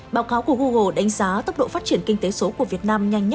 báo cáo của google đánh sát các nguyên liệu của các công nghệ bốn